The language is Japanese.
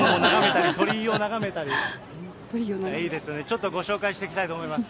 鳥居を眺めたり、いいですよね、ちょっとご紹介していきたいと思います。